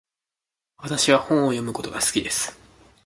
私は本を読むことが好きです。